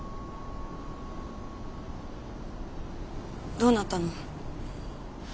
どうなったの？